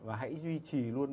và hãy duy trì luôn